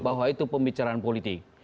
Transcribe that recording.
bahwa itu pembicaraan politik